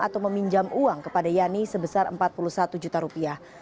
atau meminjam uang kepada yani sebesar empat puluh satu juta rupiah